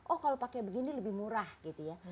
oh kalau pakai begini lebih murah gitu ya